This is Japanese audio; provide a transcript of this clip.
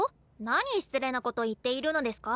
なに失礼なこと言っているのデスカ？